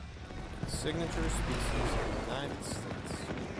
A signature species of the United States.